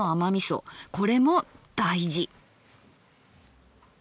これも大事。